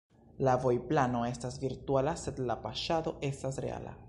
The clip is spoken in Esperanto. La vojplano estas virtuala, sed la paŝado estas reala.